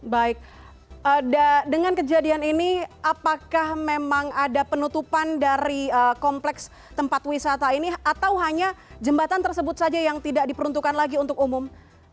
baik dengan kejadian ini apakah memang ada penutupan dari kompleks tempat wisata ini atau hanya jembatan tersebut saja yang tidak diperuntukkan lagi untuk umum